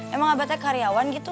emang abah teh karyawan gitu